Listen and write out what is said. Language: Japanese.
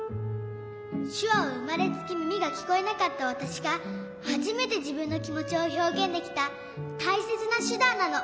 しゅわはうまれつきみみがきこえなかったわたしがはじめてじぶんのきもちをひょうげんできたたいせつなしゅだんなの。